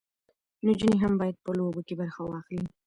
نجونې هم باید په لوبو کې برخه واخلي.